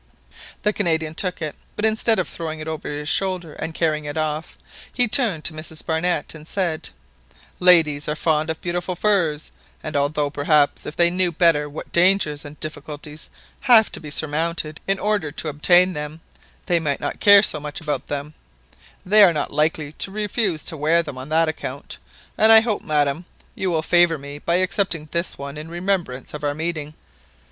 The Canadian took it, but instead of throwing it over his shoulder and carrying it off, he turned to Mrs Barnett, and said " Ladies are fond of beautiful furs, and although, perhaps, if they knew better what dangers and difficulties have to be surmounted in order to obtain them, they might not care so much about them, they are not likely to refuse to wear them on that account, and I hope, madam, you will favour me by accepting this one in remembrance of our meeting."